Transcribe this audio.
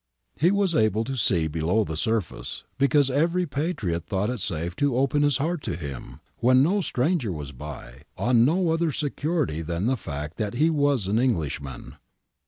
He was able to see below the surface, because every patriot thought it safe to open his heart to him, when no stranger was by, on no other security than the fact that he was an Englishman.